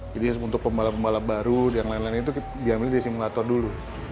jadi untuk pembalap pembalap baru dan lain lain itu diambil di simulator dulu